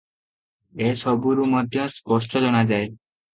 ଏ ସବୁରୁ ମଧ୍ୟ ସ୍ପଷ୍ଟ ଜଣାଯାଏ ।